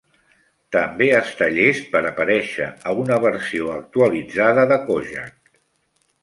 També està llest per aparèixer a una versió actualitzada de "Kojak".